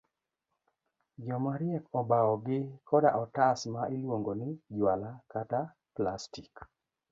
Jomariek obawo gi koda otas ma iluongo ni juala kata plastik.